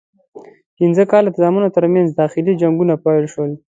پنځه کاله د زامنو ترمنځ داخلي جنګونه پیل شول.